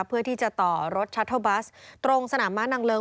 เพื่อที่จะต่อรถชัตเทอร์บัสตรงสนามม้านางเลิ้ง